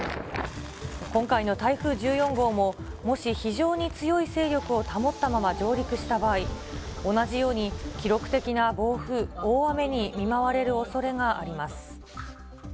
今回の台風１４号も、もし非常に強い勢力を保ったまま上陸した場合、同じように記録的な暴風、大雨に見舞われるおそれがあります。